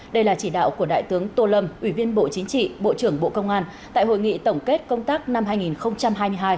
đây là chỉ đạo của đại tướng tô lâm ủy viên bộ chính trị bộ trưởng bộ công an tại hội nghị tổng kết công tác năm hai nghìn hai mươi hai